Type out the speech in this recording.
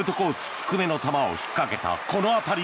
低めの球を引っかけた、この当たり。